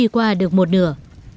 qua được một nửa